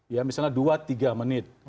ya misalnya dua tiga menit